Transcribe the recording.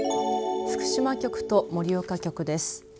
福島局と盛岡局です。